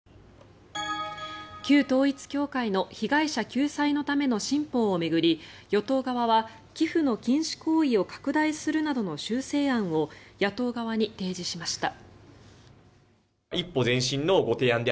旧統一教会の被害者救済のための新法を巡り与党側は寄付の禁止行為を拡大するなどの修正案を野党側に提示しました。